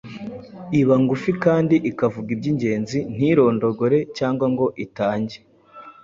iba ngufi kandi ikavuga iby’ingenzi ntirondogore cyangwa ngo itange